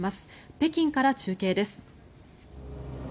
北京から中継です。